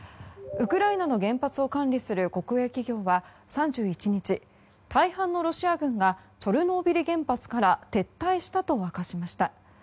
ウクライナの原発を管理する国営企業は３１日大半のロシア軍がチョルノービリ原発から撤退したと明かしました。